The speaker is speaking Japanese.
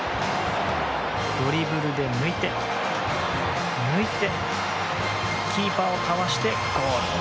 ドリブルで抜いて、抜いてキーパーをかわしてゴール！